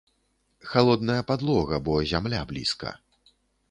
Халодная падлога, бо зямля блізка.